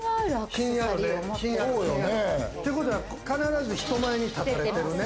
ってことは、必ず人前に立たれるね。